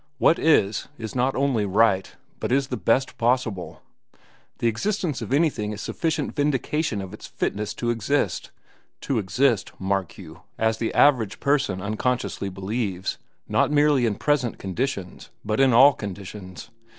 "What is, is not only right, but is the best possible. The existence of anything is sufficient vindication of its fitness to exist—to exist, mark you, as the average person unconsciously believes, not merely in present conditions, but in all conditions.